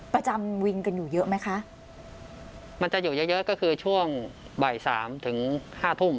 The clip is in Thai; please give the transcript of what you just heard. ประจำวิงกันอยู่เยอะไหมคะมันจะอยู่เยอะเยอะก็คือช่วงบ่ายสามถึงห้าทุ่ม